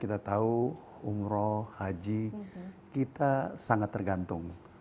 kita tahu umroh haji kita sangat tergantung